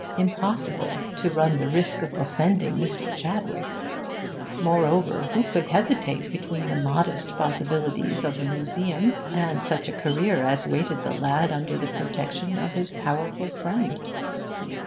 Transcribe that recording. Impossible to run the risk of offending Mr. Chadwick; moreover, who could hesitate between the modest possibilities of the museum and such a career as waited the lad under the protection of his powerful friend?